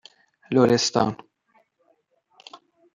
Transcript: لرستان